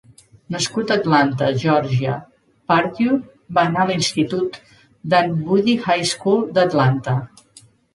Nascut a Atlanta, Geòrgia, Pardue va anar a l'institut Dunwoody High School d'Atlanta.